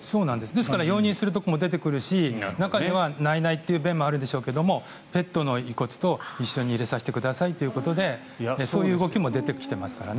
ですから容認するところも出てくるし中には内々ということもあるでしょうけどペットの遺骨と一緒に入れさせてくださいという動きも出てきてますからね。